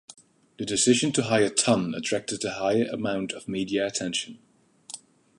The decision to hire Tunn attracted a high amount of media attention.